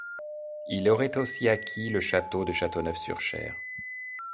Il aurait aussi acquis le château de Châteauneuf-sur-Cher.